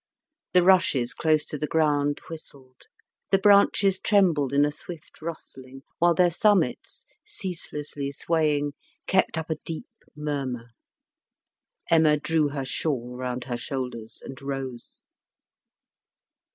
The rushes, close to the ground, whistled; the branches trembled in a swift rustling, while their summits, ceaselessly swaying, kept up a deep murmur. Emma drew her shawl round her shoulders and rose.